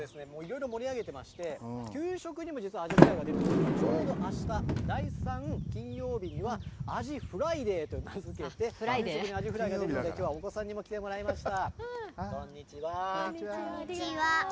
いろいろ盛り上げてまして給食にも実はアジフライが出るんですがちょうどあした、第３金曜日にはアジフライデーと名づけて給食にアジフライが出るのできょうはお子さんにも来てもらいました。